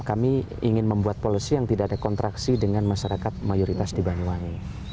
kami ingin membuat policy yang tidak ada kontraksi dengan masyarakat mayoritas di banyuwangi